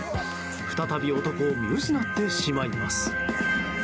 再び男を見失ってしまいます。